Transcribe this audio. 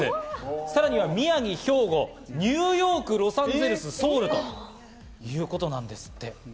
さらには宮城、兵庫、ニューヨーク、ロサンゼルス、ソウルということなんですって。